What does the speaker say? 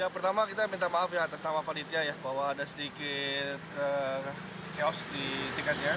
pertama kita minta maaf ya atas nama panitia ya bahwa ada sedikit chaos di tiketnya